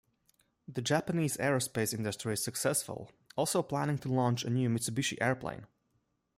The Japanese aerospace industry is successful, also planning to launch a new Mitsubishi airplane.